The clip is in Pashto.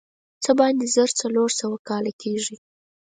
څه باندې زر څلور سوه کاله کېږي.